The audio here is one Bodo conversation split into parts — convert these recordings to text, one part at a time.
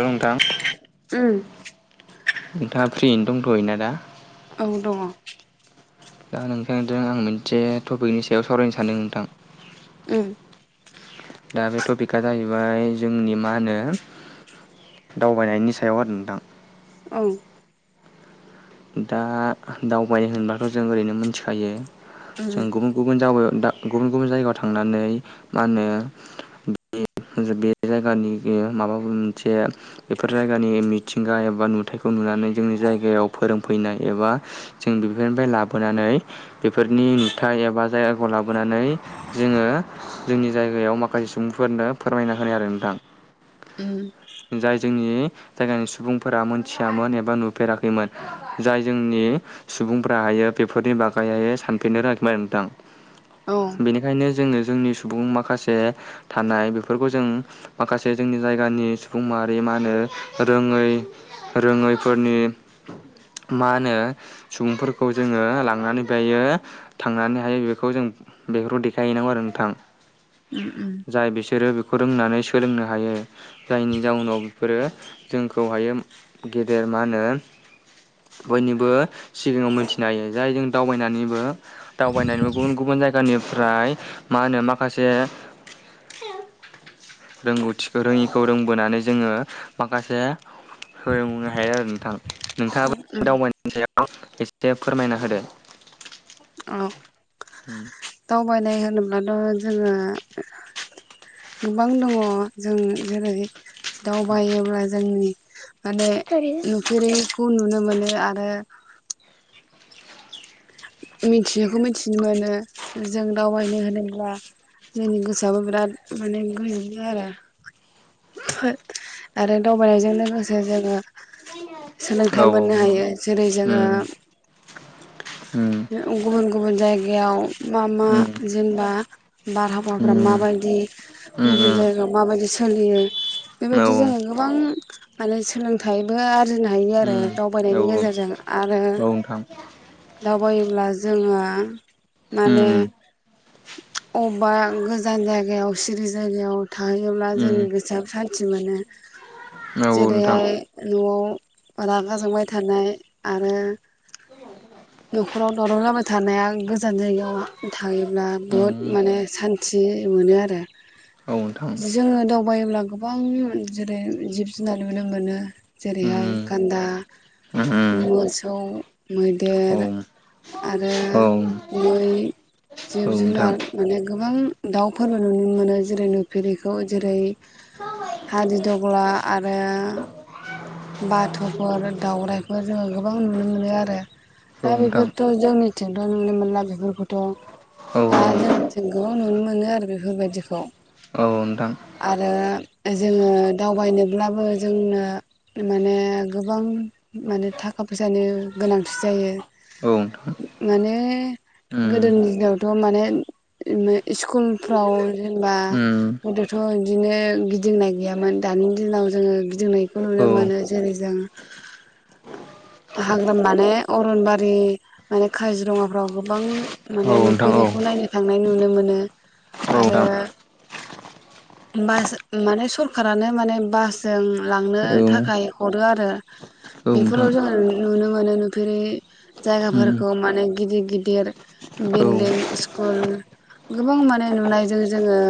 औ नोंथां। उम नोंथाङा फ्रियैनो दंथ'यो ना दा? औ दङ। दा नोंथांजों आं मोनसे टपिकनि सायाव सावरायनो सानदों नोंथां। उम दा बे टपिकआ जाहैबाय जोंनि मा होनो दावबायनायनि सायाव आरो नोंथां। औ दा दावबायनाय होनोबाथ' जों ओरैनो मिथिखायो जों गुबुन गुबुन [unintelligible] गुबुन गुबुन जायगायाव थांनानै मा होनो [unintelligible] बे जायगानि माबाफोर मोनसे बेफोर जायगानि मिथिंगा एबा नुथायखौ नुनानै जोंनि जायगायाव फोरोंफैनाय एबा जों बेफोरनिफ्राय लाबोनानै बेफोरनि नुथाय एबा जायगाखौ लाबोनानै जोङो जोंनि जायगायाव माखासे सुबुंफोरनो फोरमायना होनाय आरो नोंथां। उम जाय जोंनि जायगानि सुबुंफोरा मोनथियामोन एबा नुफेराखैमोन। जाय जोंनि सुबुंफोराहाय बेफोरनि बागैहाय सानफेरनो रोङाखैमोन नोंथां। औ बेनिखायनो जोङो जोंनि सुबुं माखासे थानाय बेफोरखौ जों माखासे जोंनि जायगानि सुबुं माहारि मा होनो रोङै रोङैफोरनि मा होनो सुबुंफोरखौ जोङो लांनानै बेहायो थांनानैहाय बेखौ जों बेफोरखौ देखायहैनांगौ आरो नोंथां। उम उम जाय बिसोरो बेखौ रोंनानै सोलोंनो हायो। जायनि जाउनाव बेफोरो जोंखौहायो गेदेर मा होनो बयनिबो सिगाङाव मोनथिनो हायो जाय जों दावबायनानैबो दावबायनानैबो गुबुन गुबुन जाय गानिफ्राय मा होनो माखासे रोंगौथिखौ रोङिखौ रोंबोनानै जोङो माखासे फोरोंबुनो हायो आरो नोंथां। नोंथाङाबो उम दावबायनायनि सायाव एसे फोरमायना होदो। औ दावबायनाय होनोब्लाथ' जोङो गोबां दङ' जों जेरै दावबायोब्ला जोंनि माने नुफेरैखौ नुनो मोनो आरो मिथियैखौ मिथिनो मोनो। जों दावबायनाय होनोब्ला जोंनि गोसोआबो बिराद माने गोजोनो आरो आरो दावबायनायजों लोगोसे जोङो औ सोलोंथाइ मोननो हायो जेरै उम जोङो उम गुबुन गुबुन जायगायाव मा मा उम जेनेबा बारहावाफ्रा उम माबायदि गुबुन जायगायाव माबायदि सोलियो औ औ बेबायदि उम जोंङो गोबां माने सोलों थायबो आरजिनो हायो आरो दावबायनायनि औ औ गेजेरजों आरो [unintelligible] दावबायोब्ला जोङो माने उम अबा गोजान जायगायाव सिरि जायगायाव थाहैयोब्ला उम जोंनि गोसोआबो सान्थि मोनो। औ नोंथां जेरैहाय न'आव रागा जोंबाय थानाय आरो न'खराव दावराव जाबाय थानाया गोजान जायगायाव थायोब्ला बुहुद उम माने सान थियै मोनो आरो औ नोंथां जोङो दावबायोब्ला गोब बां जेरै जिब जुनार नुनो मोनो। जेरैहाय उम गान्दा, मोसौ, मैदेर उम औ आरो मै औ जिब नोंथां जुनार माने गोबां दाउफोरबो नुनो मोनो। जेरै नुफेरिखौ जेरै हादिदग्ला आरो बाथ'फोर दाउराइफोर जोङो गोबां नुनो मोनो आरो औ दा नोंथां बेफोरथ' जोंनिथिंथ' नुनो मोनला बेफोरखौथ'। औ दा जों थिं गोबां नुनो मोनो आरो बेफोर बायदिखौ। औ नोंथां। आरो जोङो दावबायनोब्लाबो जोंनो माने गोबां माने थाखा फैसानि गोनांथि जायो। औ नोंथां। माने उम गोदोनि दिनावथ' माने [unintelligible] इस्कुलफ्राव जेनेबा उम गोदोथ' बिदिनो गिदिंनाय गैयामोन। दानि दिनाव जोङो गिदिंनायखौ नुनो औ मोनो जेरै जों [inaudible] हाग्रा माने अरनबारि माने काजिरङाफ्राव गोबां औ माने नोंथां औ नुफेरैखौ नायनो थांनाय नुनो मोनो। आरो औ बास माने सरखारानो माने बासजों लांनो नोंथां औ थाखाय हरो आरो नोंथां बेफोराव जोङो नुनो मोनो नुफेरै उम जायगाफोरखौ माने गिदिर गिदिर औ बिल्डिं इस्कुल गोबां माने नुनायजों जोङो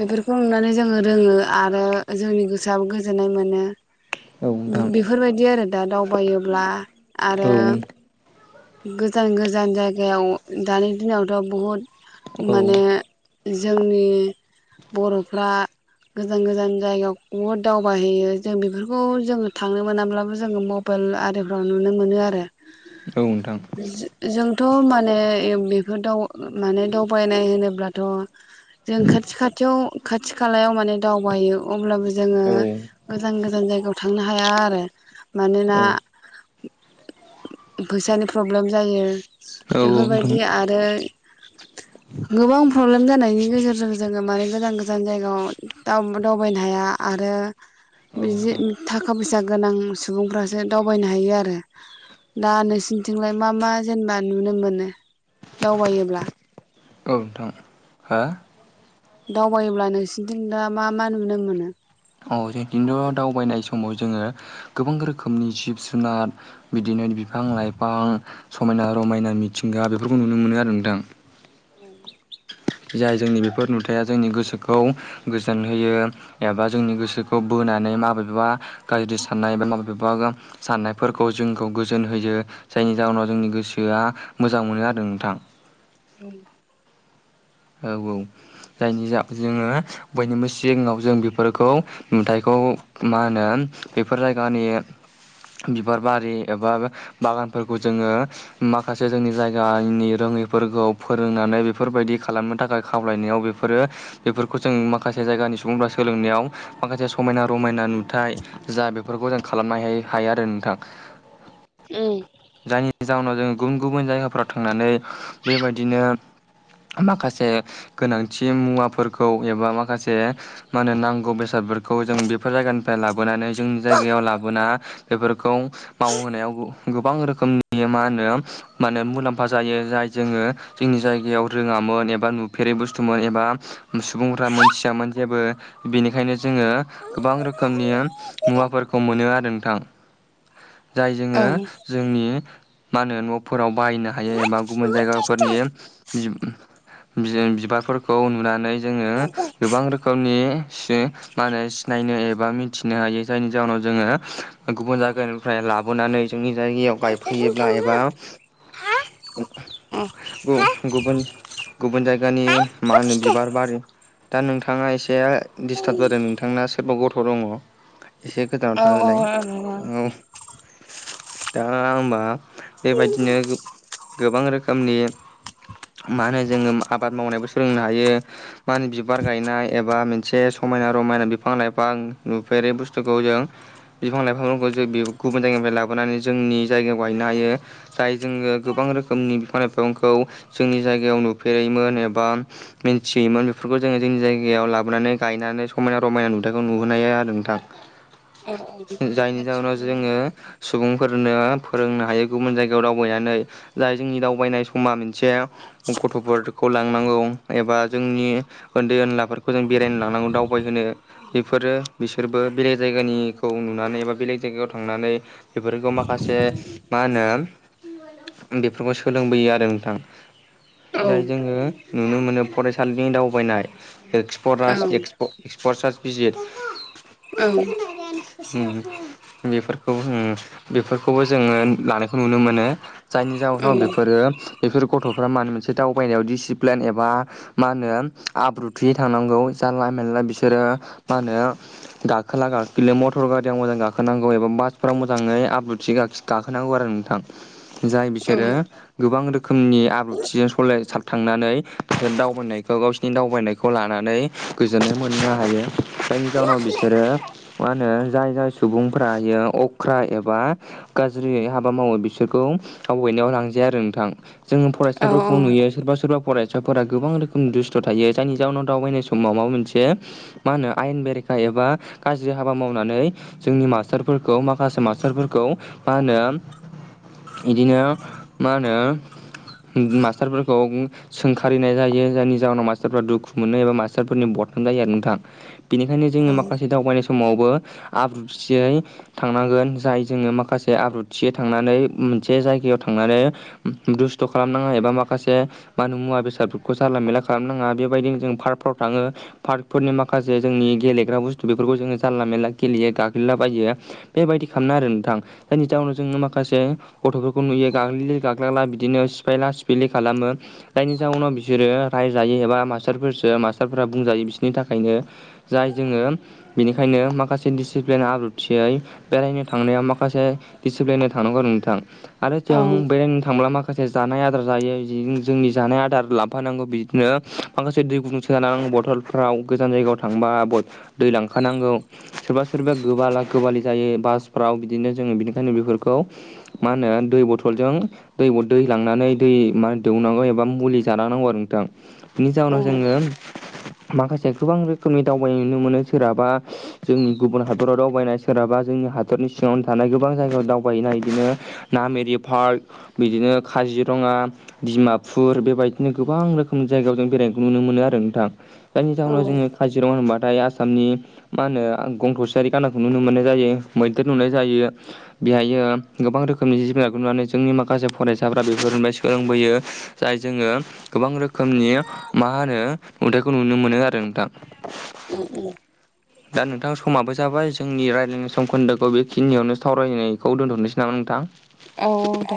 बेफोरखौ नुनानै जोङो रोङो आरो जोंनि गोसोआबो गोजोननाय मोनो। औ नोंथां बेफोरबायदि आरो दा दावबायोब्ला औ आरो गोजान गोजान जायगायाव दानि दिनावथ' बुहुद औ माने जोंनि बर'फ्रा गोजान गोजान जायगायाव बुहुद दावबायहैयो जों बेफोरखौ जोङो थांनो मोनाब्लाबो जोङो म' पोल आरिफ्राव नुनो मोनो आरो औ नोंथां। [unintelligible] जोंथ' माने ए बेफोर दाव माने दावबायनाय होनोब्लाथ' जों खाथि खाथियाव खाथि खालायाव माने दावबायो अब्लाबो जोंङो औ गोजान गोजान जायगायाव थांनो हाया आरो मानोना औ फैसानि प्रब्लेम जायो औ नोंथां बेफोरबायदि आरो गोबां प्रब्लेम जानायनि गेजेरजों जोंङो माने गोजान गोजान जायगायाव दाव दावबायनो हाया आरो औ बिदि नोंथां थाखा फैसा गोनां सुबुंफ्रासो दावबायनो हायो आरो दा नोंसोरनिथिंलाय मा मा जेनेबा नुनो मोनो दावबायोब्ला? ओं नोंथां। हा? दावबायोब्ला नोंसोरथिं दा मा मा नुनो मोनो? अ जोंथिथ' दावबायनाय समाव जोङो गोबां रोखोमनि जिब जुनाद बिदिनो बिफां लाइफां समायना रमायना मिथिंगा बेफोरखौ नुनो मोनो आरो नोंथां। औ। जाय जोंनि बेफोर नुथाया जोंनि गोसोखौ गोजोन होयो। एबा जोंनि गोसोखौ बोनानै माबेबा गाज्रि साननाय एबा माबेबा साननायफोरखौ जोंखौ गोजोन होयो। जायनि जाहोनाव जोंनि गोसोआ मोजां मोनो आरो नोंथां। औ। औ औ जायनि जा जोङो बयनिबो सिगाङाव जों बेफोरखौ नुथायाइखौ मा होनो बेफोर जायगानि बिबार बारि एबा बागानफोरखौ जोङो माखासे जोंनि जायगानि रोङैफोरखौ फोरोंनानै बेफोरबायदि खालामनो थाखाय खावलायनायाव बेफोरो बेफोरखौ जों माखासे जायगानि सुबुंफ्रा सोलोंनायाव माखासे समायना रमायना नुथाय जा बेफोरखौ जों खालामनो हाय-हायो आरो नोंथां। उम। जायनि जाहोनाव जोंङो गुबुन गुबुन जायगाफोराव थांनानै बेबायदिनो माखासे गोनांथि मुवाफोरखौ एबा माखासे मा होनो नांगौ बेसादफोरखौ जों बेफोर जायगानिफ्राय लाबोनानै जोंनि जायगायाव लाबोना बेफोरखौ मावहोनायाव गोबां रोखोमनि नि मा होनो माने मुलाम्फा जायो जाय जोङो जोंनि जायगायाव रोङामोन एबा नुफेरै बुस्थुमोन एबा सुबुंफ्रा मोनथियामोन जेबो बेनिखायनो जोङो गोबां रोखोमनि मुवाफोरखौ मोनो आरो नोंथां। जाय जोङो जोंनि मा होनो न'फोराव बायनो हायो एबा गुबुन जायगाफोरनि बि-बिबारफोरखौ नुनानै जोङो गोबां रोखोमनि सि मा होनो सिनायनो एबा मिथिनो हायो जायनि जाहोनाव जोङो गुबुन जायगानिफ्राय लाबोनानै जोंनि जायगायाव गायफैयोब्ला एबा औ गु-गुबुन गुबुन जायगानि मा होनो बिबार बारि दा नोंथाङा एसे दिडिस्टार्ब जादों नोंथांना सोरबा गथ' दङ। एसे गोजानाव थाहोलाय औ। दा होमबा बेबायदिनो गोब-गोबां रोखोमनि मा होनो जोङो आबाद मावनायबो सोलोंनो हायो माहोनो बिबार गायनाय एबा मोनसे समायना रमायना बिफां लाइफां नुफेरै बुस्थुखौ जों बिफां लाइफांफोरखौ जों बे गुबुन जायगानिफ्राय लाबोनानै जोंनि जायगायाव गायनो हायो। जाय जोङो गोबां रोखोमनि बिफां लाइफइफांखौ जोंनि जायगायाव नुफेरैमोन एबा मिथियोमोन बेफोरखौ जोङो जोंनि जायगायाव लाबोनानै गायनानै समायना रमायना नुथायखौ नुहोनो हायो आरो नोंथां। जायनि जाउनाव जोङो सुबुं फोरनो फोरोंनो हायो गुबुन जायगायाव दावबायनानै जाय जोंनि दावबायनाय समा मोनसे गथ'फोरखौ लांनांगौ एबा जोंनि। उन्दै उनलाफोरखौ जों बेरायनो लांनांगौ दावबायहोनो। बेफोरो बिसोरबो बेलेग जायगानिखौ नुनानै एबा बेलेग जायगायाव थांनानै। बेफोरखौ माखासे मा होनो। बेफोरखौ सोलोंबोयो आरो नोंथां। जाय जोङो नुनो मोनो फरायसालिनि दावबायनाय एक्सपरास औ एक्सपर्टस भिजिट। औ। उम बेफोरखौ जोङो बेफोरखौबो जोङो लानायखौ नुनो मोनो। जायनि औ जाहोनाव बेफोरो बेफोर गथ'फ्रा माने मोनसे दावबायनायाव डिसिप्लेन एबा मा होनो? आब्रुथियै थांनांगौ जानला मेनला बिसोरो मा होनो? गाखोला-गाखलि मटर गारियाव मोजां गाखोनांगौ एबा बासफोराव मो- जाङै आब्रुथि गाखि गाखोनांगौ आरो नोंथां जाय बिसोरो गोबां रोखोमनि आब्रुथि सलाय साब थांनानै दावहोननायखौ गाव- नि दावबायनायखौ लानानै गोजोननाय मोननो हायो जायनि जाउनाव बिसोरो मा होनो जाय जाय सुबुंफ्रा इयाव अख्रा एबा गाज्रि हाबा मावो बिसोरखौ दावबायनायाव लांजाया आरो नोंथां। जोङो औ फरायसाफोरखौ नुयो सोरबा सोरबा फराय- साफोरा गोबां रोखोमनि दुस्थ' थायो जायनि जाउनाव दावबायनाय समाव माबा मोनसे मा होनो? आयेन बेरेखा एबा गाज्रि हाबा मावनानै जोंनि मास्टारफोरखौ मा- खासे मास्टारफोरखौ मा होनो? इदिनो मा होनो? उम मास्टारफोरखौ सोंखारिनाय जायो जायनि जाहोनाव मास्टारफोरा दुखु मोनो एबा मास्टारफोरनि बदनाम जायो आरो नोंथां। बेनिखायनो जोङो माखासे दावबायनाय समावबो आब्रुथियै थांनांगोन जाय जोङो माखासे आब्रुथियै थांनानै मोनसे जायगायाव थांनानै दुस्थ' खालाम नाङा एबा माखासे माने मुवा बेसादखौ जाला मेला खालामनाङा बेबायदिनो जों पार्कफ्राव थाङो। पार्कफोरनि माखासे जोंनि गेलेग्रा बुस्थु बेफोरखौ जोङो जानला मेनला गेलेयो गाग्लिला बायो। बेबायदि खामनाङा आरो नोंथां जायनि जाउनाव जोङो माखासे गथ'फोरखौ नुयो गाग्लिलि गाग्लाला बिदिनो सिफायला सिफायलि खालामो। जायनि जाउनाव बिसोरो रायजायो एबा मास्टारफोरसो मास्टारफोरा बुंजायो बिसोरनि थाखायनो। जाय जोङो बेनिखायनो माखासे डिसिप्लेन आब्रुथियै बेरायनो थांनायाव माखासे डिसिप्लेना थानांगौ नोंथां। आरो जों बेरायनो थांब्ला मा- खासे जानाय आदार जायो इदिनो जोंनि जानाय आदार लाफानांगौ बिदिनो माखासे दै गुदुं सोना बथल- फ्राव गोजान जायगायाव थांबा बथ दै लांखानांगौ। सोरबा सोरबा गोबाला गोबालि जायो। बासफ्राव बिदिनो जोङो बिनिखायनो बेफोरखौ मा होनो? दै बथलजों दै ब दै लांनानै दै मा दौनांगौ एबा मुलि जाना होनांगौ आरो नोंथां। बिनि औ जाउनाव जोङो माखासे गोबां रोखोमनि दावबायनाय नुनो मोनो। सोरहाबा जोंनि गुबुन हादराव दावबायनाय सोरहाबा जोंनि हादरनि सिङावनो थानाय गोबां जायगायाव दावबायनाय इदिनो नामेरि पार्क बिदिनो खाजिरङा डिमापुर बेबायदिनो गोबां रोखोमनि जायगायाव जों बेरायखौ नुनो मोनो आरो नोंथां। जायनि जाउनाव औ जोङो काजिरङा होनबाथाय आसामनि मा होनो? आं गंथ'सेयारि गानदाखौनो नुनो मोनो। जायो मैदेर नुनाय जायो। बेहायो गोबां रोखोमनि जि जुनारखौ नुनानै जोंनि माखासे फरायसाफ्रा बेफोरनिफ्राय सोलोंबोयो। जाय जोङो गोबां रोखोमनि मा होनो? नुथाइखौ नुनो मोनो आरो नोंथां। उम दा नोंथां समाबो जाबाय जोंनि राइ- जोंनि समखोन्दोखौ बेखिनियावनो सावरायनायखौ दोनथ'नोसै नामा नोंथां? औ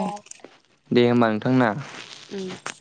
औ दे होमबा नोंथां ना उम